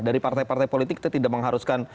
dari partai partai politik kita tidak mengharuskan